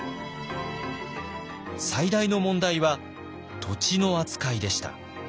最大の問題は土地の扱いでした。